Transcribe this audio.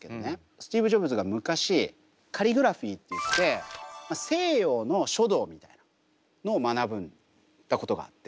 スティーブ・ジョブズが昔カリグラフィーっていって西洋の書道みたいなのを学んだことがあって。